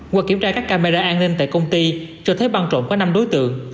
qua kiểm tra các camera an ninh tại công ty cho thấy băng trộm có năm đối tượng